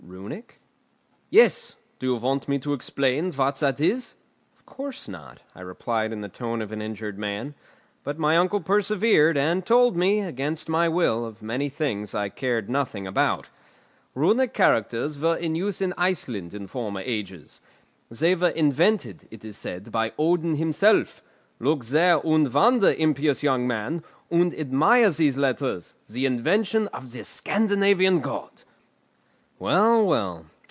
"Runic?" "Yes. Do you want me to explain what that is?" "Of course not," I replied in the tone of an injured man. But my uncle persevered, and told me, against my will, of many things I cared nothing about. "Runic characters were in use in Iceland in former ages. They were invented, it is said, by Odin himself. Look there, and wonder, impious young man, and admire these letters, the invention of the Scandinavian god!" Well, well!